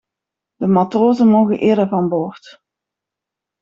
De matrozen mogen eerder van boord.